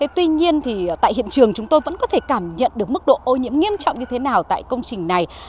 tuy nhiên tại hiện trường chúng tôi vẫn có thể cảm nhận được mức độ ô nhiễm nghiêm trọng như thế nào tại công trình này